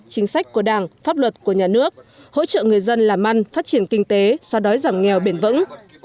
chính sách của đảng pháp luật của nhà nước hỗ trợ người dân làm ăn phát triển kinh tế xóa đói giảm nghèo bền vững